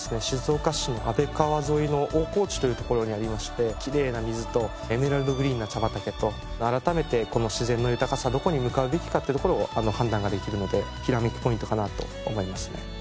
私たちのきれいな水とエメラルドグリーンの茶畑と改めてこの自然の豊かさどこに向かうべきかっていうところを判断ができるのでひらめきポイントかなあと思いますね。